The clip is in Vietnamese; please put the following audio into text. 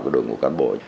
cái đội ngũ cán bộ